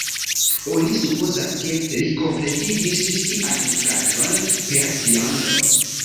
Oni supozas, ke li kompletigis sian nutraĵon per viando.